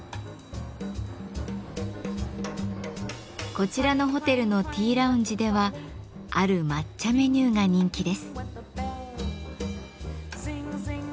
こちらのホテルのティーラウンジではある抹茶メニューが人気です。